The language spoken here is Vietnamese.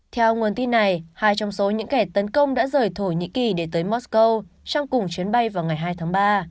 theo nguồn tin này hai trong số những kẻ tấn công đã rời thổ nhĩ kỳ để tới moscow trong cùng chuyến bay vào ngày hai tháng ba